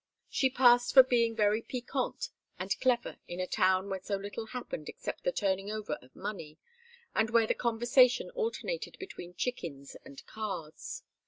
She passed for being very piquante and clever in a town where so little happened except the turning over of money, and where the conversation alternated between chickens and cards.